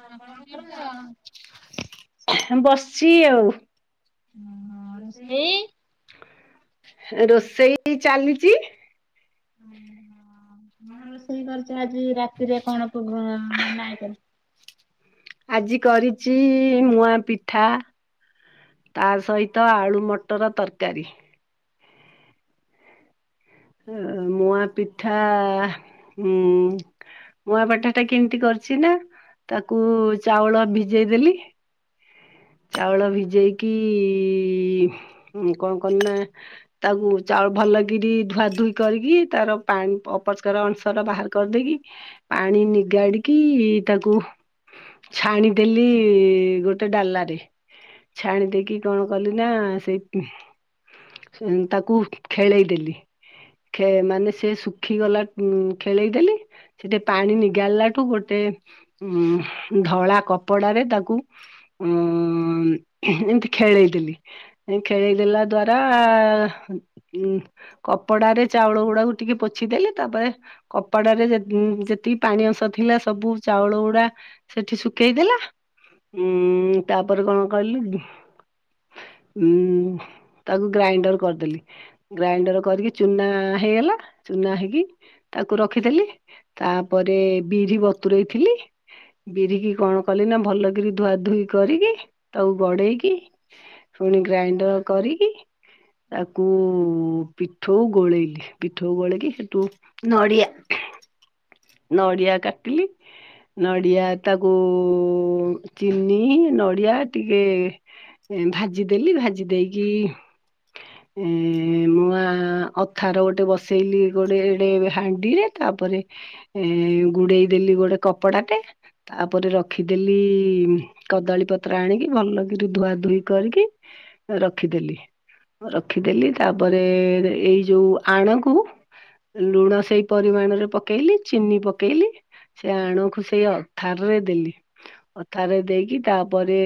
[unintelligible] ବସିଛି ଆଉ। ଉଁ ରୋଷେଇ ରୋଷେଇ ଚାଲିଛି। କଣ ରୋଷେଇ କରିଛ ଆଜି ରାତିରେ କଣ ପ୍ରୋଗ ମାନେ ଆଇକ ଆଜି କରିଛି ମୁଆ ପିଠା ତା ସହିତ ଆଳୁ ମଟର ତରକାରୀ। ଆ ମୁଆ ପିଠା ଉଁ ମୁଆଁପଠା ଟା କେମିତି କରିଛି ନା ତାକୁ ଚାଉଳ ଭିଜେଇ ଦେଲି ଚାଉଳ ଭିଜେଇକି କଣ କଲି ନା ତାକୁ ଚାଉଳ ଭଲକରି ଧୁଆ ଧୁଇ କରିକି ତାର ପାଣି ଅପରିସ୍କାର ଅଂଶ ଟା ବାହାର କରିଦେଇକି ପାଣି ନିଗାଡିକି ତାକୁ ଛାଣିଦେଲି ଗୋଟେ ଡାଲା ଛାଣିଦେଇକି କଣ କଲି ନା ସେଇ ତାକୁ ଖେଳେଇ ଦେଲି ଖେଳ୍ ମାନେ ସେ ଶୁଖିଗଲା ଉ ଖେଳେଇଦେଲି ସେଠି ପାଣି ନିଗାଳିଲାଠୁ ଗୋଟେ ଉ ଧଳା କପଡାରେ ତାକୁ ଅ ଏମିତି ଖେଳେଇ ଦେଲି। ଏ ଖେଳେଇ ଦେଲା ଦ୍ୱାରା ଉଁ କପଡା ରେ ଚାଉଳ ଗୁଡାକୁ ଟିକେ ପୋଛିଦେଲି ତାପରେ କପଡ଼ା ରେ ଯେ ଯେତିକି ପାଣି ଅଂଶ ଥିଲା ସବୁ ଚାଉଳ ଗୁଡା ସେଠି ଶୁଖେଇଦଲା ଉଁ ତାପରେ କଣ କହିଲି ଉଁ ତାକୁ ଗ୍ରାଇଣ୍ଡର କରିଦେଲି। ଗ୍ରାଇଣ୍ଡର କରିକି ଚୁନା ହେଇଗଲା ଚୁନା ହେଇକି ତାକୁ ରଖିଥିଲି। ତାପରେ ବିରି ବତୁରଇଥିଲି। ବିରିକି କଣ କଲିନା ଭଲକି ଧୁଆ ଧୁଇ କରିକି ତାକୁ ଗଡେଇକି ପୁଣି ଗ୍ରାଇଣ୍ଡର କରିକି ତାକୁ ପିଠୋଉ ଗୋଳେଇଲି ପିଠୋଉ ଗୋଳେଇକି ସେଠୁ ନଡିଆ ନଡ଼ିଆ କାଟିଲି। ନଡ଼ିଆ ତାକୁ ଚିନି ନଡିଆ ଟିକେ ଭାଜିଦେଲି। ଭାଜି ଦେଇକି [inaudible] ଏଁ ମୁଆଁ ଅଥାର ଗୋଟେ ବସେଇଲି ଗୋଟେ ଗୋଟେ ହାଣ୍ଡିରେ ତାପରେ ଏଁ ଗୁଡେଇ ଦେଲି ଗୋଟେ କପଡ଼ାଟେ ତାପରେ ରଖିଦେଲି। କଦଳୀ ପତ୍ର ଆଣିକି ଭଲକରି ଧୁଆଧୁଇ କରିକି ରଖିଦେଲି। ରଖିଦେଲି। ତାପରେ ଏଇ ଯୋଉ ଆଣକୁ ଲୁଣ ସେଇ ପରିମାଣରେ ପକେଇଲି। ଚିନି ପକେଇଲି। ସେ ଆଣକୁ ସେଇ ଅଥାରରେ ଦେଲି। ଅଥାରରେ ଦେଇକି ତାପରେ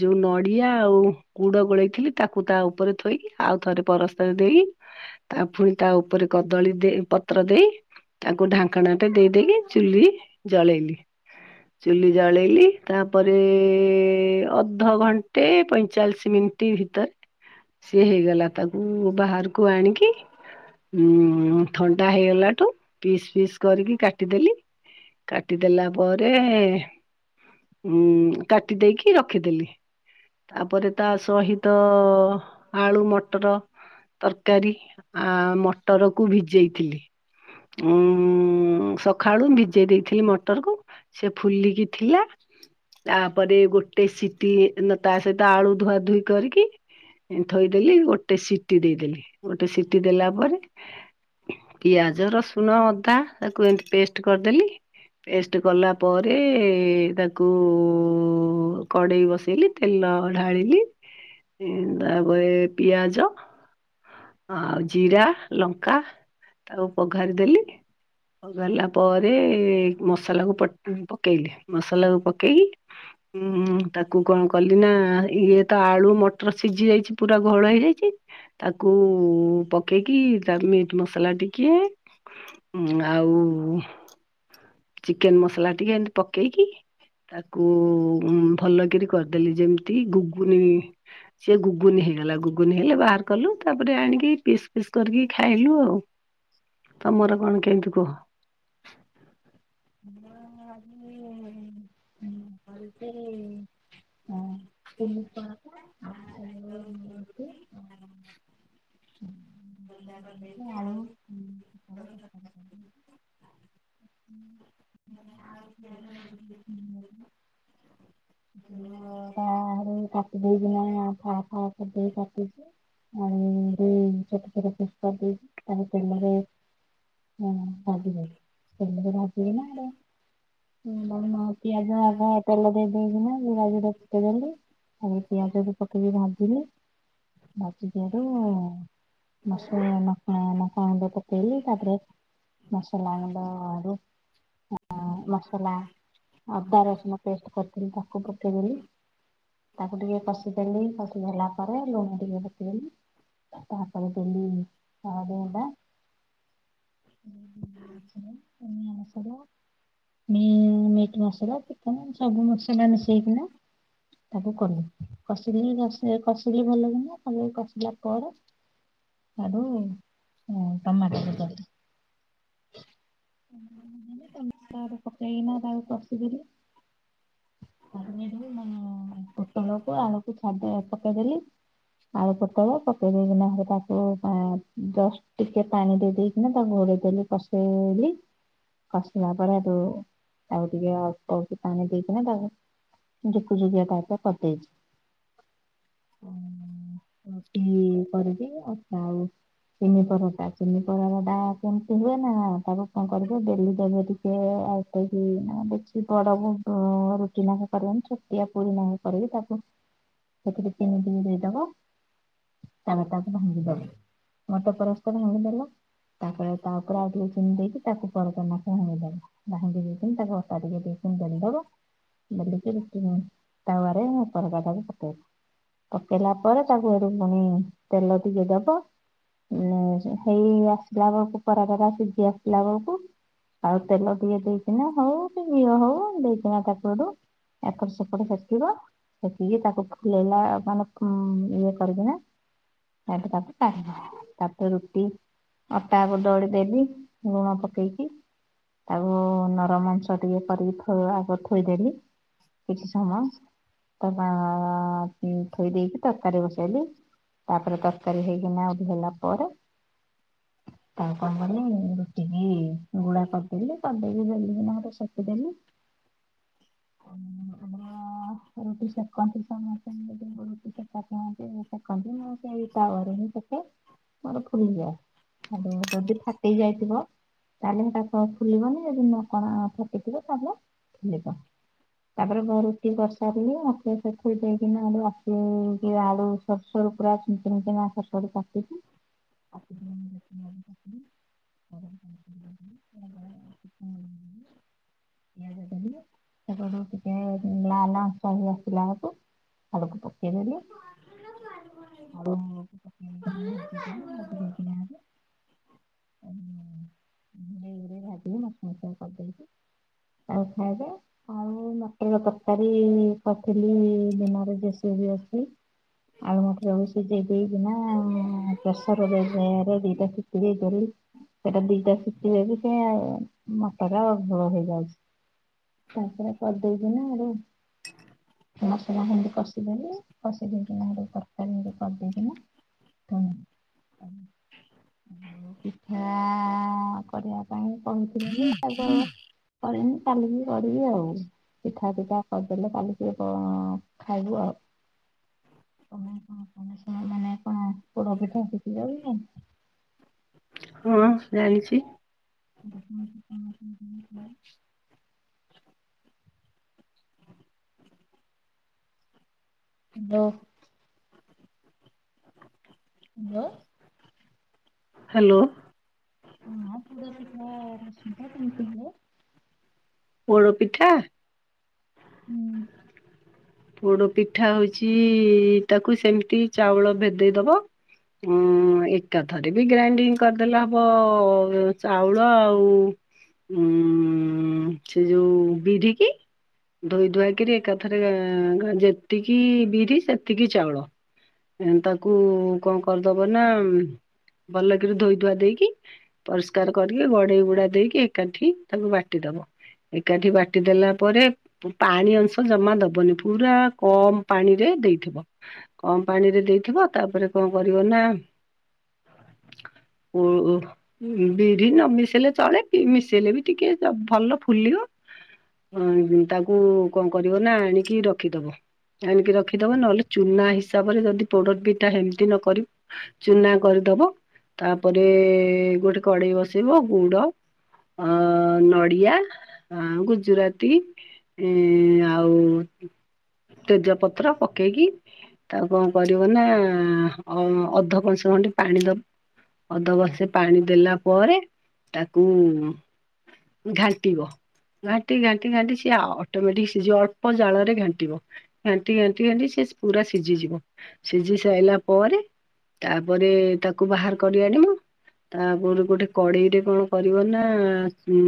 ଯୋଉ ନଡିଆ ଆଉ ଗୁଡ ଗୋଳେଇଥିଲି ତାକୁ ତା ଉପରେ ଥୋଇ, ଆଉ ଥରେ ପରସ୍ତରେ ଦେଇ ତା ପୁଣି ତା ଉପରେ କଦଳୀ ଦେଇ ପତ୍ର ଦେଇ, ତାକୁ ଢାଙ୍କ ଙ୍କଣାଟେ ଦେଇଦେଇକି ଚୁଲି ଜଳେଇଲି। ଚୁଲି ଜଳେଇଲି, ତାପରେ ଅଧଘଣ୍ଟେ ପଇଁଚାଳିଶୀ ମି ଟି ଭିତରେ ସିଏ ହେଇଗଲା। ତାକୁ ବାହାରକୁ ଆଣିକି ଉଁ ଥଣ୍ଡା ହେଇଗଲାଠୁ, ପିସ୍ ପିସ୍ କରିକି କାଟିଦେଲି କାଟିଦେଲା ପରେ ଉଁ କାଟି ଦେଇକି ରଖିଦେଲି। ତାପରେ ତା ସହିତ ଆଳୁ ମଟର ତରକାରୀ, ଆ ମଟରକୁ ଭିଜେଇଥିଲି ଉଁ ଉଁ ସଖାଳୁ ଭିଜେଇ ଦେଇଥିଲି ମଟରକୁ, ସେ ଫୁଲିକି ଥିଲା ତାପରେ ଗୋଟେ ସିଟି, ନାଁ ତା ସହିତ ଆଳୁ ଧୁଆଧୁଇ କରିକି ଥୋଇଦେଲି ଗୋଟେ ସିଟି ଦେଇଦେଲି। ଗୋଟେ ସିଟି ଦେଲା ପରେ ପିଆଜ ରସୁଣ ଅଦା ତାକୁ ଏମତି ପେଷ୍ଟ କରିଦେଲି ପେଷ୍ଟ କଲା ପରେ ତାକୁ କଡ଼େଇ ବସେଇଲି ତେଲ ଢାଳିଲି, ଉଁ ତାପରେ ପିଆଜ ଆଉ ଜିରା, ଲଙ୍କା ତାକୁ ପଘାରିଦେଲି। ପଘରିଲା ପରେ ସଲାକୁ ପ ପକେଇଲି। ମସଲାକୁ ପକେଇକି ଉଁ ତାକୁ କଣ କଲିନା ଇଏତ ଆଳୁ ମଟର ସିଜି ଯାଇଛି, ପୁରା ଘୋଳ ହେଇଯାଇଛି କୁ ପକେଇକି, ତା ମିଟ୍ ମସଲା ଟିକେ ଉଁ ଆଉ ଚିକେନ ମସଲାଟିକେ ଏମତି ପକେଇକି, ତାକୁ ଉଁ ଭଲ କିରି କରିଦେଲି ଯେମିତି ଗୁଗୁନି ସେ ଗୁଗୁନି ହେଇଗଲା। ଗୁଗୁନି ହେଲେ ବାହାର କଲୁ। ତାପରେ ଆଣିକି ପିସ୍ ପିସ୍ କରିକି ଖାଇଲୁ ଆଉ। ତମର କଣ କେମିତି କୁହ? [unintelligible] ଆଜି। [unintelligible] ଆଳୁ ରୁଟି ଆଉ [unintelligible] [unintelligible] ଆଳୁ ପୋଟଳ ତରକାରୀ। ଉଁ। [unintelligible] ନଅଟା ଆଳୁ କାଟିଦେଇକିନା ଫାଳ ଫାଳ କରିଦେଇ କାଟିଚି ଆଳୁ ରେ ଛୋଟ ଛୋଟ ପିସ୍ କରିଦେଇଛି। ତାକୁ ତେଲରେ ହଁ ଭାଜିବେ, ତେଲରେ ଭାଜିବେ ନା ହେରା। [unintelligible] ମୋ ପିଆଜ ଅଦା ତେଲ ଦେଇଦେଇକିନା ଜିରା ଦିଇଟା ଫୁଟେଇଦେଲି। ଆଉ ପିଆଜ କୁ ପକେଇକି ଭାଜିଲି। ଭାଜିକି ହେଟୁ ମସଲା ନକା ଲଙ୍କା ଗୁଣ୍ଡ ପକେଇଲି ତାପରେ ମସଲା ଗୁଣ୍ଡ ରେ ହଁ ମସଲା ଅଦା ରସୁଣ ପେଷ୍ଟ କରିଥିଲି ତାକୁ ପକେଇଦେଲି। ତାକୁ ଟିକେ କଷିଦେଲି କଷିଦେଲା ପରେ ଲୁଣ ଟିକେ ପକେଇଲି। ତାପରେ ଦେଲି ହଳଦି ଗୁଣ୍ଡ [unintelligible] ଅନ୍ୟ ମସ ପଡିବ ମି ମିଟ୍ ମସଲା ଚିକେନ ସବୁ ମସଲା ମିଶେଇକିନା ତାକୁ କଲି କଷିଦେଲି କସି କସିଲି ଭଲ କିନା ଭଲକି କଷିଲା ପରେ ସାଡୁ ଉଁ ଟମାଟୋ [unintelligible] [unintelligible] ପକେଇକିନା ତାକୁ କଷି ଦେଲି। ତାକୁ ନେଇକିରି ମାନେ ପୋଟଳକୁ ଆଳୁକୁ ଛାଡ ଦେ ପକେଇଦେଲି। ଆଳୁ ପୋଟଳ ପକେଇ ଦେଇକିନା ହେ ତାକୁ ଆଁ ଜଷ୍ଟ ଟିକେ ପାଣି ଦେଇ ଦେଇକିନା ତାକୁ ଘୋଡେଇ ଦେଲି ବସେଇଲି। କଷିଲା ପରେ ହେଟୁ ଆଉ ଟିକେ ଅଳ୍ପକି ପାଣି ଦେଇକି ନା ତାକୁ। ଯୁକୁଯୁକିଆ ପାଗ ତ କରିଦେଇଛି ଉଁ। ରୁଟି କରିବି ଅଟା ଆଉ ଚିନି ପରଟା ଚିନି ପରଟା କେମ ସେମିତି ହୁଏ ନା ହଁ ତାକୁ କଣ କରିବ ବେଲି ଦେବ ଟିକେ [unintelligible] ଉଁ ରୁଟି ନାଖେ କରିବନି ଛୁଟିଆ ପୁରୀ ନାଖେ କରିବି ତାକୁ। ସେଥିରେ ଚିନି ଟିକେ ଦେଇଦବ ତାପରେ ତାକୁ ଭାଙ୍ଗିଦବ ଗୋଟେ ପରସ୍ତ ଭାଙ୍ଗିଦେଲ ତାପରେ ତା ଉପରେ ଆଉ ଟିକେ ଚିନି ଦେଇକି ତାକୁ ପରଟା [unintelligible] ଜା ହାଣ୍ଡି ଦେଇଥିମ୍ ତାକୁ ଅଟା ଦେଇକି ଟିକେ ପୁଣି ବେଲିଦବ। ବେଲିକି ରୁଟି କୁ ତାୱାରେ ପରଟା ଟା କୁ ପକେଇବ। ପକେଇଲା ପରେ ତାକୁ ଏଠୁ ପୁଣି ତେଲ ଟିକେ ଦବ ଉଁ ହେଇ ଆସିଲା ବେଳକୁ ପରଟା ଟା ସିଝି ଆସିଲା ବେଳକୁ ଆଉ ତେଲ ଟିକେ ଦେଇକିନା ହଉ କି ଘିଅ ହଉ ଦେଇକିନା ତାକୁ ସେଠୁ ଏପଟ ସେପଟ ସେକିବ ସେକିକି ତାକୁ ଖୁଳେଇଲା ମାନେ ଉଁ ଇଏ କରିକି ନା ସେଇଠୁ ତାକୁ [unintelligible] ତାପରେ ରୁଟି ଅଟାକୁ ଦଳିଦେଲି ଲୁଣ ପକେଇକି। ତାକୁ ନରମାଂସ ଟିକେ କରିକି ଥୋ ଆଗ ଥୋଇଦେଲି। କିଛି ସମୟ ତ ଉଁ ଥୋଇ ଦେଇକି ତରକାରୀ ବସେଇଲି। ତାପରେ ତରକାରୀ ହେଇକିନା ଆହୁରି ହେଲା ପରେ ତାକୁ କଣ କହିଲ ରୁଟିି କି ଗୁଳା କରି ଦେଲି। କରିଦେଇକି ବେଲି କିନା ମୋଟେ ସେକିଦେଲି। ଅମ ଆମର ରୁଟି ସେକନ୍ତି ସମସ୍ତେ [unintelligible] ରୁଟି ସେକା ଖାଆନ୍ତି ପକାନ୍ତି ମୁଁ ସେଇ ତାୱାରେ ହିଁ ପକାଏ ମୋର ଫୁଲିଯାଏ। ମାନେ ଯଦି ଫାଟି ଯାଇଥିବ ତାହେଲେ ସେଟା କ ଫୁଲିବନି ଯଦି ନ କଣା ଫୁଟିଥିବ ତାହେଲେ ଫୁଲିବ। ତାପରେ ମୁଁ ରୁଟି କରିସାରିଲି ରୁଟି ସେକି ଦେଇକିନା ଆଳୁ ଆସିକି ଆଳୁ ସରୁ ସରୁ ପୁରା ଚୂନ ଚୂନ କିନା ସରୁ ସରୁ କାଟିକି କାଟିକି [unintelligible] କିଆଁ [unintelligible] ସେପଟୁ ଟିକେ ଉଁ ଲାଲ ଅଂଶ ହେଇଆସିଲା ବେଳକୁ ଆଡକୁ ପକେଇଦେଲି। ଆଳୁ ପକେଇ ଦେଇକିନା ଭାଜି ଦେଲି [unintelligible] ଓ ଉଁ ଘୁରେଇ ଘୁରେଇ ଭାଜିକି ମୁସ ମୁସିଆ କରିଦେଇଛିି ଆଉ ଖାଇବା ଆଉ ମଟର ତରକାରୀ କରିଥିଲି ଦିନର ଯୁସୁ ବି ଅଛି। ଆଳୁ ମଟର ଆଳୁ ସିଝେଇ ଦେଇକିନା ପ୍ରେସରରେ ଦେଇକି ଦିଟା ସି ସିଜେଇଦେଲି। ସେଇଟା ଦିଟା ଶିଟି ଦେବି ଯେ ଆଉ ମଟର ଭୋଳ ହେଇଯାଉଛି। ତାପରେ କରିଦେଇଛିି ନା ଆଉ ମସଲା ଏମତି କଷିଦେଲି କଷି ଦେଇକି ନା ଗୋଟେ ତରକାରୀ ଏମତି କରିଦେଇକିନା [unintelligible] ପିଠା- କରିବା ପାଇଁ କହିଥିଲେ ଯେ ଆଗ କରିନି କାଲିକି କରିବି ଆଉ। ପିଠା ପିଠା କରି ଦେଲେ କାଲିକି କଣ ଖାଇବୁ ଆଉ। ତମେ କଣ କଣ ଶୁଣ ମାନେ କଣ ପୋଡ ପିଠା ଶି ଖିଲ କି ନାଇଁ? ହଁ ଜାଣିଛି। [inaudible] ହ୍ୟାଲୋ। ହ୍ୟାଲୋ? ହ୍ୟାଲୋ। ହଁ ପୋଡ ପିଠା ମିଶୁନି କେମିତି ହୁଏ? ପୋଡ ପିଠା? ହୁଁ। ବଡ ପିଠା ହଉଛି ତାକୁ ସେମିତି ଚାଉଳ ଭେଦେଇ ଦବ। ଉଁ ଏକାଥରେ ବି ଗ୍ରାଇଣ୍ଡିଙ୍ଗ କରିଦେଲେ ହବ ଚାଉଳ ଆଉ ହିଁ ସେ ଯେଉଁ ବିରି କି? ଧୋଇ ଧୁଆକରି ଏକାଥରେ କଣ ଯେ ଯେତିକି ବିରି ସେତିକି ଚାଉଳ। ଏଁ ତାକୁ କଣ କରିଦବ ନା ଭଲକରି ଧୋଇଧୁଆ ଦେଇକି ପରିଷ୍କାର କରିକି ଗଡେଇ ଗୁଡା ଦେଇକି ଏକାଠି ତାଙ୍କୁ ବାଟି ଦବ। ଏକାଠି ବାଟିଦେଲା ପରେ ପୁ-ପାଣି ଅଂଶ ଜମା ଦବନି ପୁରା କମ୍ ପାଣିରେ ଦେଇଥିବ। କମ୍ ପାଣିରେ ଦେଇଥିବ ତାପରେ କଣ କରିବ ନା ଓ ଓ। ଉଁ ବିରି ନ ମିଶେଇଲେ ଚଳେ କି ମିଶେଇଲେ ବି ଟିକେ [unintelligible] ଭଲ ଫୁଲିବ। ହଁ ହୁଁ ତାକୁ କଣ କରିବ ନା ଆଣିକି ର ଖିଦବ ଆଣିକି ରଖିଦବ ନହେଲେ ଚୁନା ହିସାବରେ ଯଦି ପୋଡ ପିଠା ହେମିତି ନକରି ଚୁନା କରିଦବ। ତାପରେ ଗୋଟେ କଡେଇ ବସେଇବ। ଗୁଡ ଅଁ ନଡ଼ିଆ ଆଁ ଗୁଜୁରାତି। ଏଁ ଆଉ ତେଜପତ୍ର ପକେଇକିି ତାକୁ କଣ କରିବ ନା ଅ-ଅଧ କଂସେ ଖଣ୍ଡେ ପାଣି ଦ ଅଧ କଂସେ ପାଣି ଦେଲା ପରେ ତାକୁ ଘାଣ୍ଟିବ ଘାଣ୍ଟି ଘାଣ୍ଟି ଘାଣ୍ଟି ସିଏ ଆ ଅ-ଅଟୋମେଟିକ ସିଝିବ ଅଳ୍ପ ଜାଳରେ ଘାନ୍ ଣ୍ଟିବ ଘାଣ୍ଟି ଘାଣ୍ଟି ଘାଣ୍ଟି ସିଏ ସି ପୁରା ସିଝିଯିବ। ସିଝି ସାରିଲା ପରେ ତାପରେ ତାକୁ ବାହାର କରି ଆଣିବ। ତାପରୁକୁ ଗୋଟେ କଡେଇରେ କଣ କରିବ ନା ଉଁ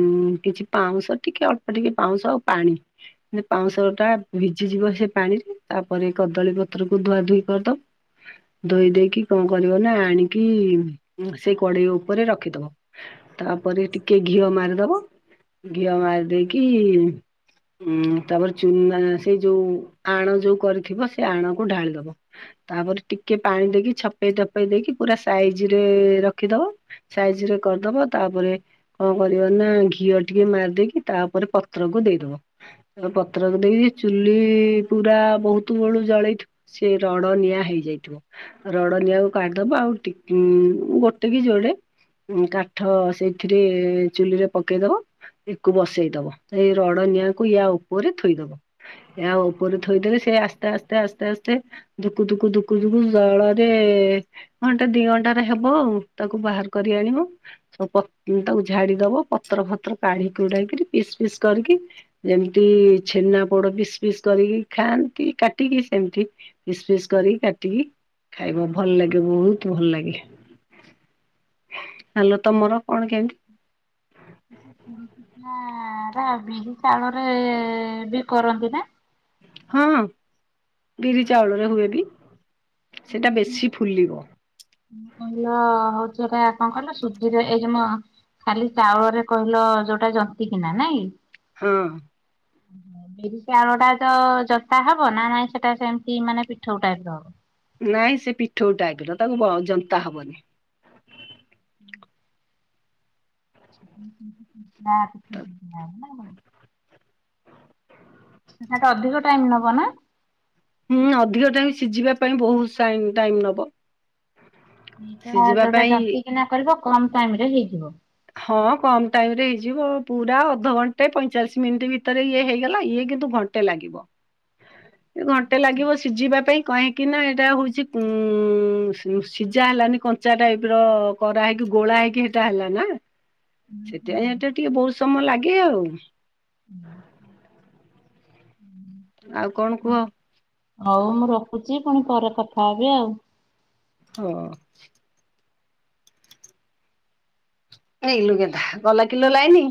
କିଛି ପାଉଁଶ ଟିକେ ଅଳ୍ ପ ଟିକେ ପାଉଁଶ ଆଉ ପାଣି [unintelligible] ପାଉଁଶଟା ଭିଜିଯିବ ସେ ପାଣିରେ। ତାପରେ କଦଳୀ ପତ୍ରକୁ ଧୁଆ ଧୁଇ କରିଦବ। ଧୋଇ ଦେଇକି କଣ କରିବ ନା ଆଣିକି ଉଁ ସେଇ କଡେଇ ଉପରେ ରଖିଦବ। ତାପରେ ଟିକେ ଘିଅ ମାରିଦବ। ଘିଅ ମାରି ଦେଇକି ଉଁ ତାପରେ ଚୂନା ସେଇ ଯୋଉ ଆଣ ଯୋଉ କରିଥିବ ସେ ଆଣକୁ ଢାଳିଦବ। ତାପରେ ଟିକେ ପାଣି ଦେଇକି ଛପେଇ ଧପେଇ ଦେଇକି ପୁରା ସାଇଜରେ ରଖିଦବ। ସାଇଜରେ କରିଦବ ତାପରେ କଣ କରିବ ନା ଘିଅ ଟିକେ ମାରିଦେଇକି ତା ଉପରେ ପତ୍ରକୁ ଦେଇଦବ। ତା [unintelligible] ପତ୍ରକୁ ଦେଇକି ଚୁଲି ପୁରା ବହୁତୁ ବେଳୁ ଜଳେଇଥିବ ସେ ରଡ ନିଆଁ ହେଇଯାଇଥିବ। ରଡ ନିିଆଁକୁ କାଢିଦବ ଆଉ ଟି ଉଁ ଗୋଟେ କି ଯୋଡେ ଉଁ କାଠ ସେଇଥିରେ ଚୁଲିରେ ପକେଇଦବ। ୟାକୁ ବସେଇଦବ। ଏଇ ରଡ ନିିଆଁକୁ ଇୟା ଉପରେ ଥୋଇଦବ। ଇୟା ଉପରେ ଥୋଇଦେଲେ ସେ ଆସ୍ତେ ଆସ୍ତେ ଆସ୍ତେ ଆସ୍ତେ ଧୁଖୁ ଧୁଖୁ ଧୁଖୁ ଧୁଖୁ ଜାଳରେ ଘଣ୍ଟେ ଦି ଘଣ୍ଟାରେ ହେବ ଆଉ। ତାକୁ ବାହାର କରି ଆଣିବ। ସବୁ ପତ୍ ଉଁ ତାକୁ ଝାଡିଦବ। ପତ୍ର ଫତ୍ର କାଢ଼ି କୁଢା କିରି ପିସ୍ ପିସ୍ କରିକି ଯେମିତି ଛେନା ପୋଡ ପିସ୍ ପିସ୍ କରିକି ଖାଆନ୍ତି କାଟିକି। ସେମିତି ପିସ୍ ପିସ୍ କରିକି କାଟିକି ଖାଇବ। ଭଲ ଲାଗିବ। ବହୁତ ଭଲ ଲାଗେ। [inaudible] ହାଲୋ ତମର କଣ କେମିତି? ହୁଁ। [unintelligible] ବିରି ଚାଉଳରେ ବି କରନ୍ତି ନା? ହଁ ବିରି ଚାଉଳରେ ହୁଏ ବି। ସେଟା ବେଶୀ ଫୁଲିବ [inaudible] [unintelligible] କହିଲ ହଉଛି ଏଇଟା କଣ କହିଲ ସୁଧିରେ ଏଇ ଯୋଉ ଆମ ଖାଲି ଚାଉଳରେ କହିଲ ଯୋଉଟା ଜନ୍ତି କିିନା ନାଇଁ? ହଁ। ଉଁହୁଁ। ବିରି ଚାଉଳ ଟା ତ ଜତା ହବ ନା ନାଇଁ ସେଟା ସେମିତି ମାନେ ପିଠଉ ଟାଇପର ହବ? ନାଇଁ ସେ ପିଠଉ ଟାଇପର ତାକୁ ଜନ୍ତା ହବନି। ହୁଁ [inaudible] ତାଠ [inaudible] ପିଠାଟା ଅଧିକ ଟାଇମ୍ ନବ ନା? ହୁଁ ଅଧିକ ଟାଇମ ସିଝିବା ପାଇଁ ବହୁତ ଶା ଟାଇମ ନବ। ଏଇଟା ସିଝିବା ଯୋଉଟା ପାଇଁ ଜନ୍ତିକିନା କରିବ କମ ଟାଇମ ରେ ହେଇଯିବ। ହଁ କମ ଟାଇମ୍ ରେ ହେଇଯିବ ପୁରା ଅଧଘଣ୍ଟେ ପଇଁଚାଳିଶ ମିନିଟ ଭିତରେ ଇଏ ହେଇଗଲା ଇଏ କି ନ୍ତୁ ଘଣ୍ଟେ ଲାଗିବ ଘଣ୍ଟେ ଲାଗିବ ସିଝିବା ପାଇଁ କ କିନା ଏଇଟା ହେଉଛି ଙ୍କୁ ଉଁ ସିଝା ହେଲାନି କଞ୍ଚା ଟାଇପ୍ ର କରା ହେଇକି ଗୋଳା ହେଇକି ହେଟା ହେଲା ନା ହୁଁ ସେଥିପାଇଁ ଏଟା ଟିକେ ବହୁତ ସମୟ ଲାଗେ ଆଉ। ହୁଁ। ଆଉ କଣ ହୁଁ। କୁହ? ହଉ ମୁଁ ରଖୁଛି ପୁଣି ପରେ କଥା ହେବି ଆଉ ହ। ଏଇ ଲୁ ଗେଧା ଗଲା କିଲୋ ଲାଇନି